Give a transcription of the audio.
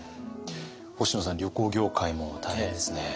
星野さん旅行業界も大変ですね。